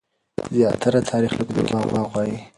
زياتره تاريخ ليکونکي دروغ وايي.